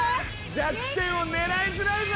弱点を狙いづらいぞ！